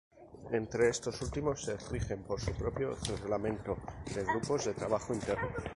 Entre estos últimos se rigen por su propio "Reglamento de Grupos de Trabajo" interno.